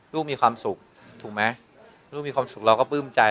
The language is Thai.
ลูกมีความสุขถูกไหมลูกมีความสุขเราก็ปลื้มใจ